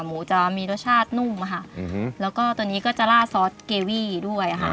หมูจะมีรสชาตินุ่มค่ะแล้วก็ตัวนี้ก็จะล่าซอสเกวี่ด้วยค่ะ